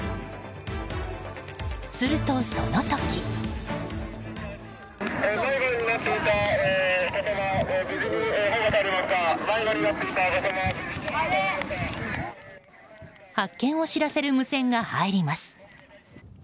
すると、その時。発見を知らせる無線が入ります。